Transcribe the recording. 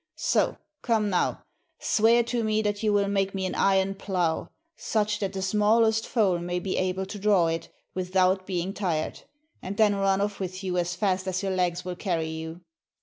So, come now, swear to me that you will make me an iron plough, such that the smallest foal may be able to draw it without being tired, and then run off with you as fast as your legs will carry you."